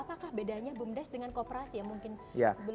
apakah bedanya bum desa dengan kooperasi ya mungkin